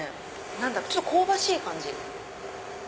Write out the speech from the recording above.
何だかちょっと香ばしい感じ。